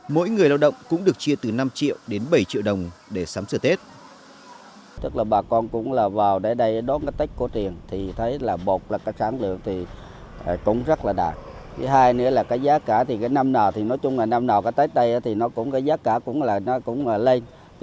mỗi người lao động cũng được chia từ năm triệu đến bảy triệu đồng để sắm sửa tết